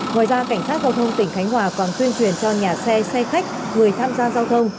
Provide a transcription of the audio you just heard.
ngoài ra cảnh sát giao thông tỉnh khánh hòa còn tuyên truyền cho nhà xe xe khách người tham gia giao thông